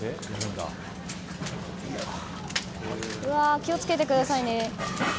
気を付けてくださいね。